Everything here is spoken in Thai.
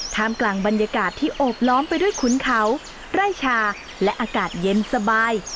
กลางบรรยากาศที่โอบล้อมไปด้วยขุนเขาไร่ชาและอากาศเย็นสบาย